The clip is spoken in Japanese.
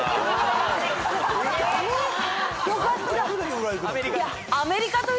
よかった。